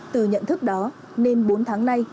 từ nhận thức đó nên bốn tháng nay